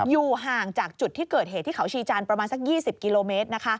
อยู่ห่างจากจุดที่เกิดเหตุที่เขาชีจันทร์ประมาณสัก๒๐กิโลเมตร